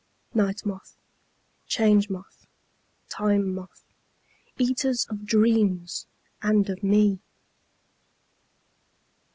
Night Moth, Change Moth, Time Moth, eaters of dreams and of me!